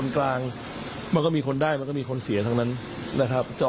ค่าาาา